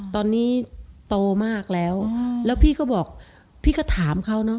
ตอนนี้โตมากแล้วแล้วพี่ก็บอกพี่ก็ถามเขาเนอะ